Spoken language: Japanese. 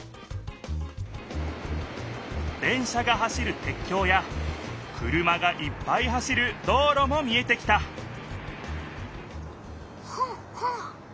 電車が走るてっきょうや車がいっぱい走る道ろも見えてきたフガフガ。